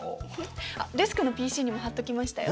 あっデスクのＰＣにも貼っときましたよ。